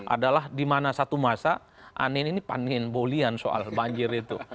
adalah dimana satu masa anies ini panin bolian soal banjir itu